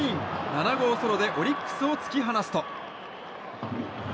７号ソロでオリックスを突き放すと。